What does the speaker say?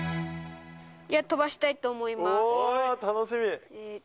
飛ばしたいと思います。